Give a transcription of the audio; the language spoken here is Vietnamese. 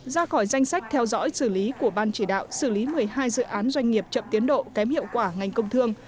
ra khỏi danh sách theo dõi xử lý của ban chỉ đạo xử lý một mươi hai dự án doanh nghiệp chậm tiến độ kém hiệu quả ngành công thương